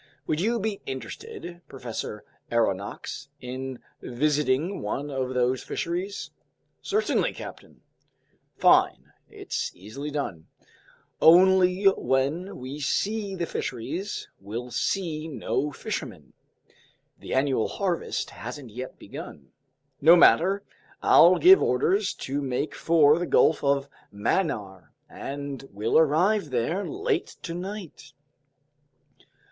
Would you be interested, Professor Aronnax, in visiting one of those fisheries?" "Certainly, captain." "Fine. It's easily done. Only, when we see the fisheries, we'll see no fishermen. The annual harvest hasn't yet begun. No matter. I'll give orders to make for the Gulf of Mannar, and we'll arrive there late tonight."